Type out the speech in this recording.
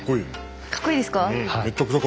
かっこいいですか？